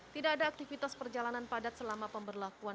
tidak ada aktivitas perjalanan padat selama pemberlakuan